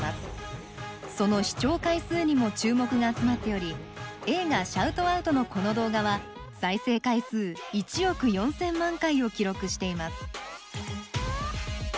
その視聴回数にも注目が集まっており映画「シャウト・アウト」のこの動画は再生回数を記録しています。